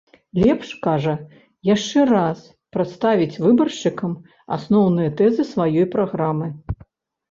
Лепш, кажа, яшчэ раз прадставіць выбаршчыкам асноўныя тэзы сваёй праграмы.